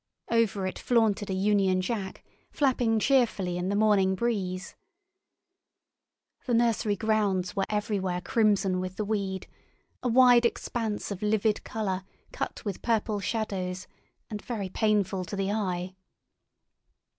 Over it flaunted a Union Jack, flapping cheerfully in the morning breeze. The nursery grounds were everywhere crimson with the weed, a wide expanse of livid colour cut with purple shadows, and very painful to the eye.